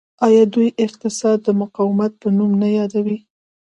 آیا دوی اقتصاد د مقاومت په نوم نه یادوي؟